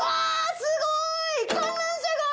すごい！